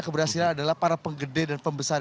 keberhasilan adalah para penggede dan pembesar